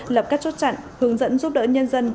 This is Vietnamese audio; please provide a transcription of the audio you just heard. lập các chốt chặn hướng dẫn giúp đỡ nhân dân